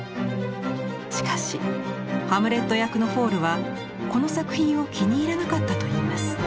しかしハムレット役のフォールはこの作品を気に入らなかったといいます。